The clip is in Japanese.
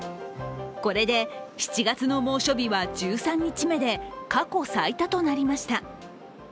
これで、７月の猛暑日は１３日目で過去最多となりました。